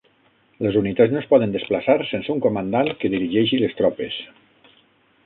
Les unitats no es poden desplaçar sense un comandant que dirigeixi les tropes.